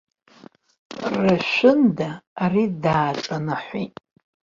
Рашәында ари дааҿанаҳәеит.